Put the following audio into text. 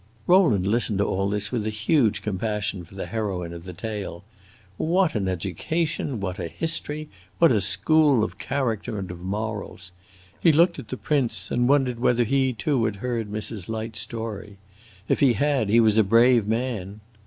Rowland listened to all this with a huge compassion for the heroine of the tale. What an education, what a history, what a school of character and of morals! He looked at the prince and wondered whether he too had heard Mrs. Light's story. If he had he was a brave man.